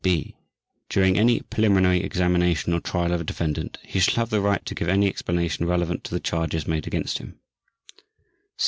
(b) During any preliminary examination or trial of a defendant he shall have the right to give any explanation relevant to the charges made against him.